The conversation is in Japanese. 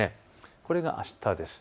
これがあしたです。